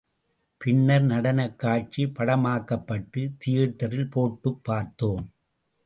பின்னர் நடனக் காட்சி படமாக்கப்பட்டு, தியேட்டரில் போட்டுப் பார்த்தோம்.